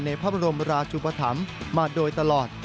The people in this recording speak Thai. พระบรมราชุปธรรมมาโดยตลอด